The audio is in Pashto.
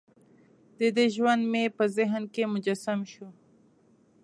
دده ژوند مې په ذهن کې مجسم شو.